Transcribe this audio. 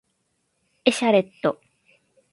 エシャレット